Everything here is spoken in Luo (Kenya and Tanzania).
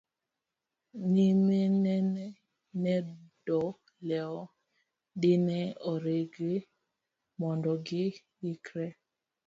nyiminene ne do lewo dine oritgi mondo gi ikre